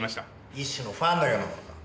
一種のファンのようなものか。